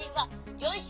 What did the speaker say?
よし。